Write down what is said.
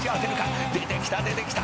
「出てきた出てきた！